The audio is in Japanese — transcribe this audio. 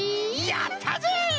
やったぜ！